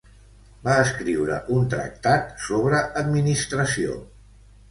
Va escriure un tractat sobre administració.